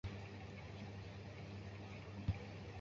是室町时代幕府三管领之一。